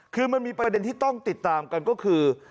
คือมันมีประเด็นที่ต้องติดตามกันก็คือ